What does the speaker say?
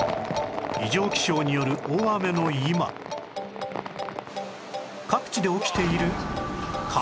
異常気象による大雨の今各地で起きている陥没